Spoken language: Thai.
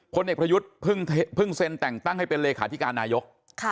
เด็กประยุทธ์เพิ่งเซ็นแต่งตั้งให้เป็นเลขาธิการนายก